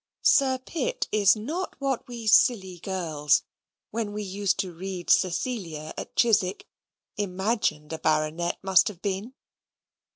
Sir Pitt is not what we silly girls, when we used to read Cecilia at Chiswick, imagined a baronet must have been.